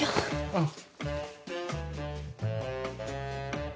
うん。